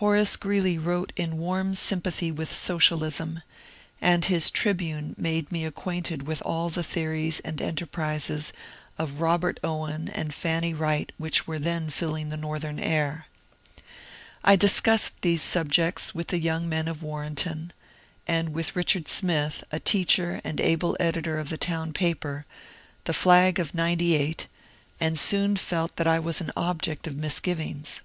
Horace Ghreeley wrote in warm sympathy with socialism, and his '' Tribune " made me acquainted with all the theories and enterprises of Robert Owen and Fanny Wright which were then filling the Northern air. I discussed these subjects with the young men of Warrenton, and with Richard Smith, a teacher and able editor of the town paper, ^' The Flag of '98," and soon felt that I was an object of mis givings.